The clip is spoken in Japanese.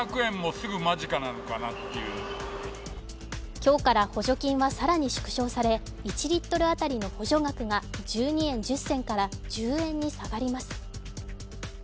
今日から補助金は更に縮小され１リットル当たりの補助額が１２円１０銭から１０円に下がります。